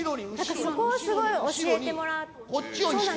そこをすごい教えてもらって。